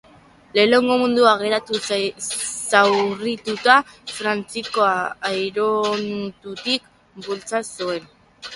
Lehen Mundu Gerran zauritua, Frantziako aeronautika bultzatu zuen.